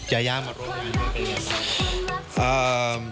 ยายามาร่วมกันเป็นอย่างไรครับ